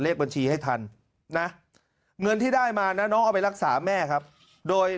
บัญชีให้ทันนะเงินที่ได้มานะน้องเอาไปรักษาแม่ครับโดย